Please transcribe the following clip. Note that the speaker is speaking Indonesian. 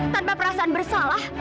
tanpa perasaan bersalah